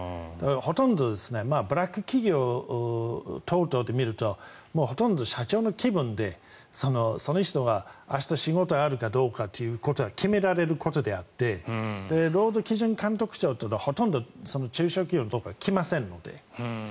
ほとんどブラック企業等々で見るとほとんど社長の気分でその人が明日、仕事があるかどうかということは決められることであって労働基準監督署っていうのはほとんど中小企業のところには来ませんので。